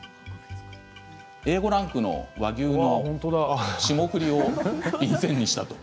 Ａ５ランクの和牛の霜降りを便箋にしました。